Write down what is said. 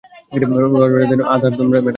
Roger that, আধ-দামড়া Adam.